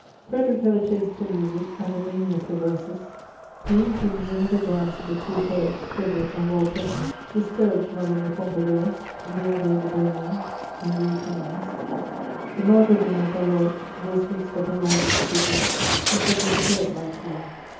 Frederic had a taste for music and a mania for verses. The intrigues and epigrams of the two poets, Frederic and Voltaire, disturbed Madame de Pompadour, the Abbé de Bernis and Louis XV. The Margravine of Bayreuth was mixed up in all this with love, such as a poet might feel.